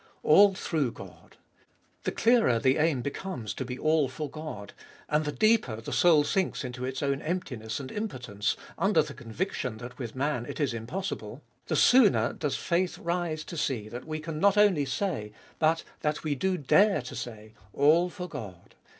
All through God! The clearer the aim becomes to be all 90 abe fbolfest of BU for God, and the deeper the soul sinks into its own emptiness and impotence, under the conviction that with man it is im possible, the sooner does faith rise to see that we can not only say, but that we do dare to say, All for God